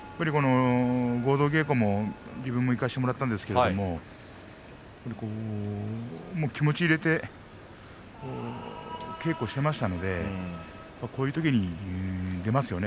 合同稽古も自分も行きましたが気持ちを入れて稽古していましたのでこういうときに出ますよね